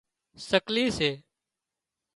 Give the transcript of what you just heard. سڪلي سي